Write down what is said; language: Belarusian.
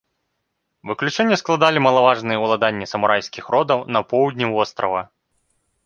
Выключэнне складалі малаважныя ўладанні самурайскіх родаў на поўдні вострава.